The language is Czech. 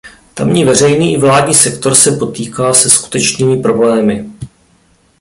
Tamní veřejný i vládní sektor se potýká se skutečnými problémy.